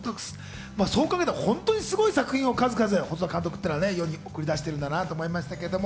そう考えたらほんとにすごい作品を数々、細田監督は世に送り出してるんだなと思いました。